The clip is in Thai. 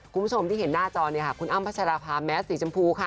คุณผู้ชมที่เห็นหน้าจอเนี่ยค่ะคุณอ้ำพัชราภาแมสสีชมพูค่ะ